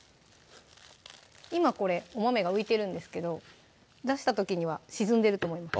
今これお豆が浮いてるんですけど出した時には沈んでると思います